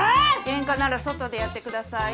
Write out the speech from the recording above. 喧嘩なら外でやってください。